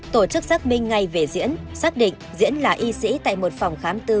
tổ chức xác minh ngay về diễn xác định diễn là y sĩ tại một phòng khám tư